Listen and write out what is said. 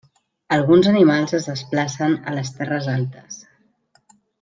Alguns animals es desplacen a les terres altes.